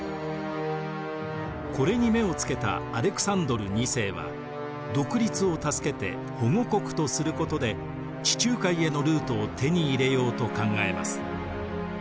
これに目をつけたアレクサンドル２世は独立を助けて保護国とすることで地中海へのルートを手に入れようと考えます。